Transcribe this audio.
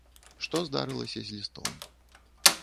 Што здарылася з лістом.